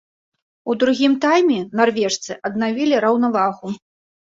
У другім тайме нарвежцы аднавілі раўнавагу.